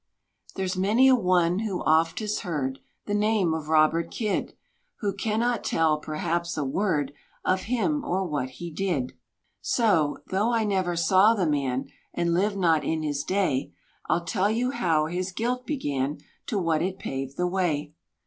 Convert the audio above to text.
There's many a one who oft has heard The name of Robert Kidd, Who cannot tell, perhaps, a word Of him, or what he did. So, though I never saw the man, And lived not in his day; I'll tell you how his guilt began To what it paved the way.